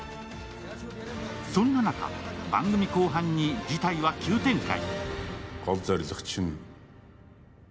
そんな中、番組後半に事態は急展開。